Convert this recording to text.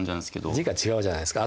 字が違うじゃないですか。